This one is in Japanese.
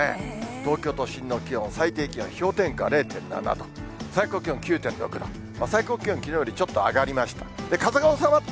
東京都心の気温、最低気温氷点下０．７度、最高気温９．６度、最高気温きのうよりちょっと上がりました。